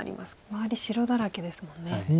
周り白だらけですもんね。